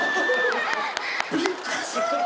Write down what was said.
びっくりする！